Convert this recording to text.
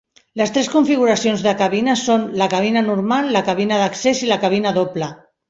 Les tres configuracions de cabina són la cabina normal, la cabina d'accés i la cabina doble.